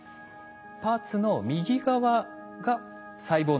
パーツの右側が細胞の掃除屋